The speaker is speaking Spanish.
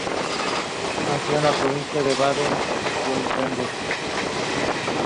Nació en la provincia de Baden-Wurtemberg.